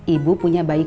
ibu punya baik